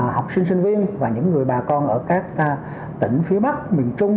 học sinh sinh viên và những người bà con ở các tỉnh phía bắc miền trung